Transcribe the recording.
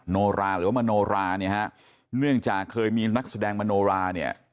โนราหรือว่ามโนราเนี่ยฮะเนื่องจากเคยมีนักแสดงมโนราเนี่ย